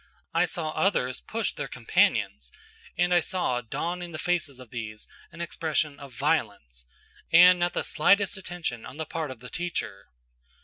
I saw others push their companions, and I saw dawn in the faces of these an expression of violence; and not the slightest attention on the part of the teacher.